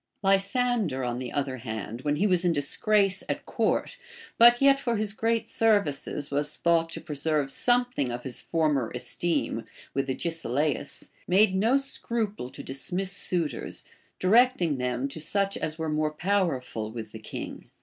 Lysander, on the other hand, when he was in disgrace at court, but yet for his great services was thought to preserve something of his former esteem with Agesilaus, made no scruple to dismiss suitors, directing them .to such as were more powerful with the king.